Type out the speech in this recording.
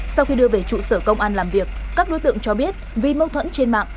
sau khi đưa về trụ sở công an làm việc các đối tượng cho biết vì mâu thuẫn trên mạng